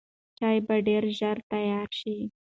چای به ډېر ژر تیار شي.